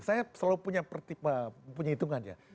saya selalu punya hitungannya